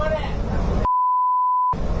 ไปเลย